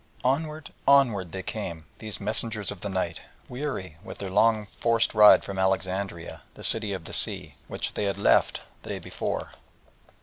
Onward, onward they came, these messengers of the night, weary with their long forced ride from Alexandria, the city of the sea, which they had left the day before.